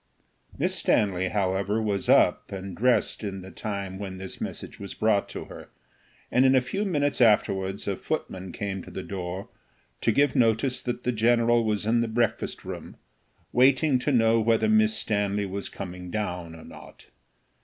Miss Stanley, however, was up and dressed at the time when this message was brought to her, and a few minutes afterwards a footman came to the door, to give notice that the general was in the breakfast room, waiting to know whether Miss Stanley was coming down or not.